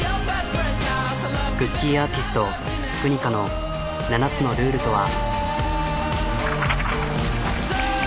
クッキーアーティストＫＵＮＩＫＡの７つのルールとは？